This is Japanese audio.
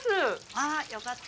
ああよかった